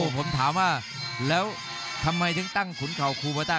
ผมถามว่าแล้วทำไมถึงตั้งขุนเข่าคูโบต้า